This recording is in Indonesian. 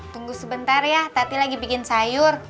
tunggu sebentar ya tadi lagi bikin sayur